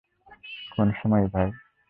কোন সময়, ভাই?